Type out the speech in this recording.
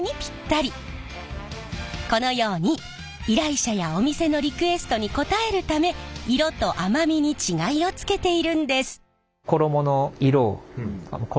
このように依頼者やお店のリクエストに応えるため色と甘みに違いをつけているんです！